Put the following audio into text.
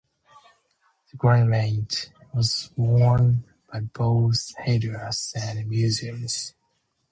The garment was worn by both Hindus and Muslims.